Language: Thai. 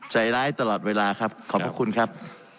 ใจร้ายตลอดเวลาครับขอบพระคุณครับ